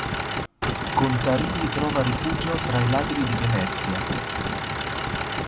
Contarini trova rifugio tra i ladri di Venezia.